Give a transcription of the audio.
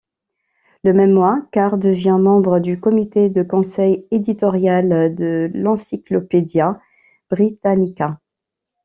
Le même mois, Carr devient membre du comité de conseil éditorial de l'Encyclopædia Britannica.